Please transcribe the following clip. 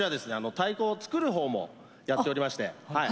太鼓を作る方もやっておりましてはい。